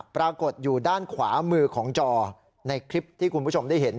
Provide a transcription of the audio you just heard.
ปรากฏอยู่ด้านขวามือของจอในคลิปที่คุณผู้ชมได้เห็น